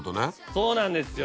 そうなんですよ。